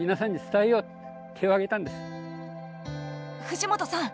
藤本さん